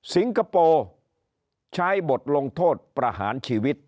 คโปร์ใช้บทลงโทษประหารชีวิต